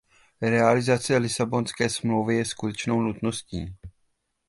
Realizace Lisabonské smlouvy je skutečnou nutností.